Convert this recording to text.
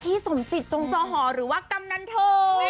สมจิตจงจอหอหรือว่ากำนันโท